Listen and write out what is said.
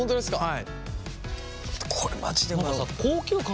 はい。